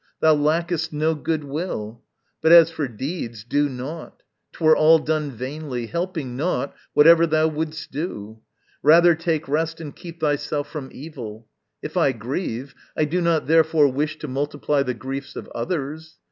Thou lackest no goodwill. But, as for deeds, Do nought! 'twere all done vainly; helping nought, Whatever thou wouldst do. Rather take rest And keep thyself from evil. If I grieve, I do not therefore wish to multiply The griefs of others.